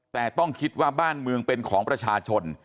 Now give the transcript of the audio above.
แต่ต้องคิดว่าบ้านเมืองเป็นของประชาชน